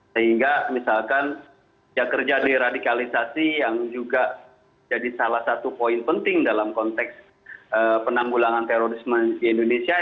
sehingga misalkan yang kerja di radikalisasi yang juga jadi salah satu poin penting dalam konteks penambulangan terorisme di indonesia